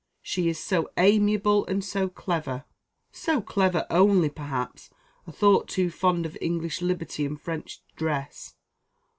she is so amiable and so clever." "So clever? only, perhaps, a thought too fond of English liberty and French dress.